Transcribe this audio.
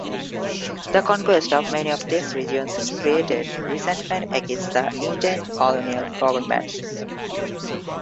The conquest of many of these regions created resentment against the Entente colonial governments.